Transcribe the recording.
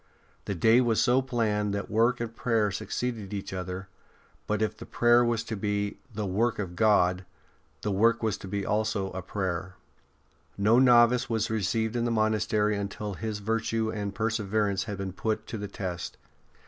The day was so planned that work and prayer succeeded each other; but if the prayer was to be the '' Work of God," the work was to be also a prayer. No novice was received in the monastery until his virtue and perseverance had been put to the test.